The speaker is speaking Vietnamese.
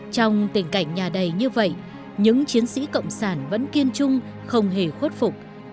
trong tình cảnh nhà đầy như vậy những chiến sĩ cộng sản vẫn kiên trung không hề khuất phục